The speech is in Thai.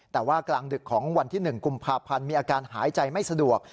แต่ว่ากลางดึกของวันที่๑กุมภาพันธ์มีอาการหายใจไม่สะดวก